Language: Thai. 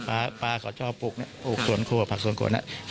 พ่อเขาชอบปลูกเนี่ยปลูกสวนโควะผักสวนโควะเนี่ย